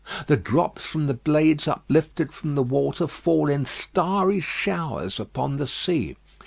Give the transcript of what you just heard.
The drops from the blades uplifted from the water fall in starry showers upon the sea.